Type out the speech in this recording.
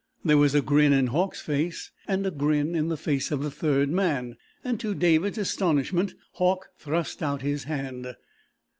There was a grin in Hauck's face, and a grin in the face of the third man, and to David's astonishment Hauck thrust out his hand.